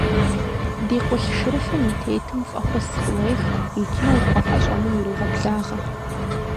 – Ди къулъшырыфым и тетым фӀэхъус къуех икӀи ухуэхьэщӀэну урегъэблагъэ.